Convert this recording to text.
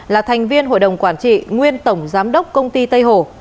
là thành viên hội đồng quản trị nguyên tổng giám đốc công ty tây hồ